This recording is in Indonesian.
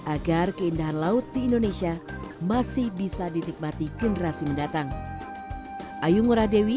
agar keindahan laut di indonesia masih bisa dinikmati generasi mendatang